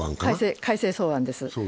改正草案です。